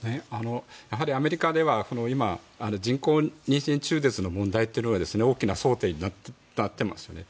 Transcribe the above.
やはりアメリカでは今人工妊娠中絶の問題というのが大きな争点になってますよね。